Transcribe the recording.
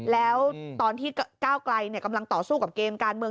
แล้วตอนที่ก้าวไกลกำลังต่อสู้กับเกมการเมือง